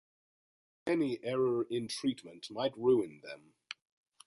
Any error in treatment might ruin them.